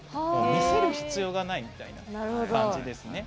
見せる必要がないみたいな感じですね。